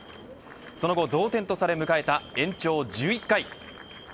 その後同点とされ迎えた延長１１回。